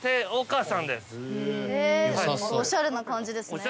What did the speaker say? おしゃれな感じですね。